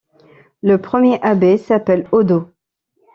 Le premier abbé s'appelle Oddo.